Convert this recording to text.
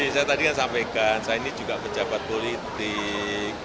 saya tadi kan sampaikan saya ini juga pejabat politik